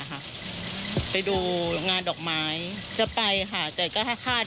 ค่ะไปดูงานดอกไม้จะไปค่ะแต่ก็ให้คาด